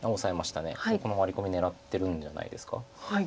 このワリコミ狙ってるんじゃないですか。